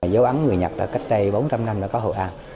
giáo án người nhật cách đây bốn trăm linh năm đã có hội an